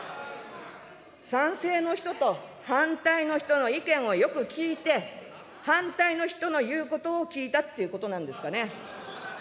賛成の人と反対の人の意見をよく聞いて、反対の人の言うことを聞いたっていうことなんですかね。